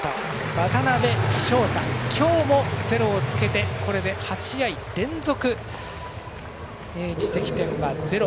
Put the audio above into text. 渡辺翔太、今日もゼロをつけてこれで８試合連続自責点はゼロ。